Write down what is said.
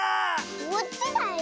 こっちだよ。